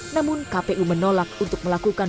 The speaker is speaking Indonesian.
namun kpu menolak untuk melakukan